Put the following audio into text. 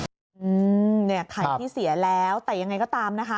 อืมเนี่ยไข่ที่เสียแล้วแต่ยังไงก็ตามนะคะ